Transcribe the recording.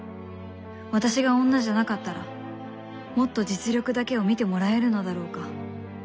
私が女じゃなかったらもっと実力だけを見てもらえるのだろうか。